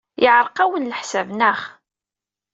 Yeɛreq-awen leḥsab, naɣ?